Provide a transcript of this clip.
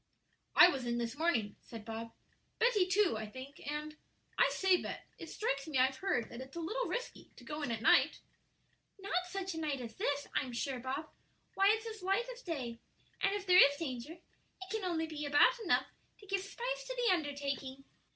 "I was in this morning," said Bob; "Betty, too, I think, and I say, Bet, it strikes me I've heard that it's a little risky to go in at night." "Not such a night as this, I'm sure, Bob; why, it's as light as day; and if there is danger it can be only about enough to give spice to the undertaking."